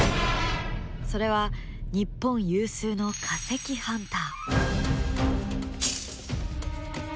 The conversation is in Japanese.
それは日本有数の化石ハンター。